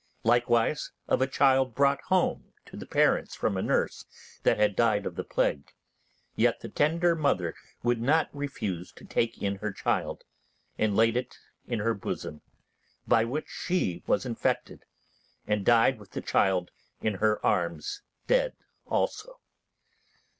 Likewise of a child brought home to the parents from a nurse that had died of the plague, yet the tender mother would not refuse to take in her child, and laid it in her bosom, by which she was infected; and died with the child in her arms dead also.